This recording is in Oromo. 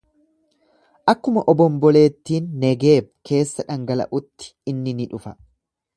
Akkuma obomboleettiin Negeeb keessa dhangala'utti inni ni dhufa.